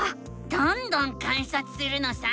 どんどん観察するのさ！